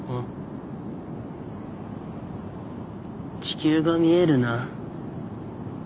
地球が見えるな。